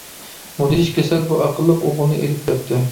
مۇدھىش كېسەل بۇ ئەقىللىك ئوغۇلنى ئېلىپ كەتتى.